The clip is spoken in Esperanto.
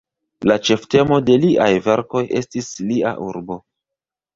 La ĉeftemo de liaj verkoj estis lia urbo.